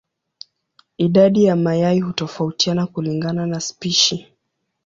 Idadi ya mayai hutofautiana kulingana na spishi.